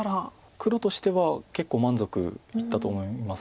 黒としては結構満足いったと思います。